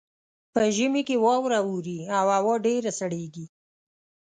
په ژمي کې واوره اوري او هوا ډیره سړیږي